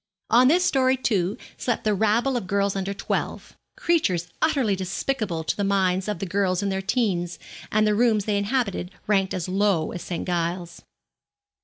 On this story, too, slept the rabble of girls under twelve creatures utterly despicable in the minds of girls in their teens, and the rooms they inhabited ranked as low as St. Giles's.